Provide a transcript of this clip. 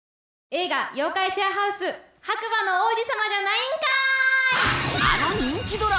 『映画妖怪シェアハウス−白馬の王子様じゃないん怪−』！